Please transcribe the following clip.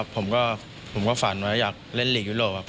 ผมก็ฝันว่าอยากเล่นลีกยุโรปครับ